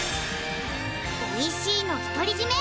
おいしいの独り占め